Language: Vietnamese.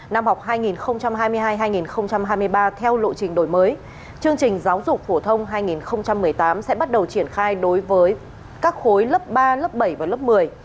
năm học hai nghìn hai mươi hai hai nghìn hai mươi ba theo lộ trình đổi mới chương trình giáo dục phổ thông hai nghìn một mươi tám sẽ bắt đầu triển khai đối với các khối lớp ba lớp bảy và lớp một mươi